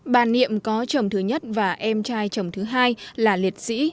bà niệm có chồng thứ nhất và em trai chồng thứ hai là liệt sĩ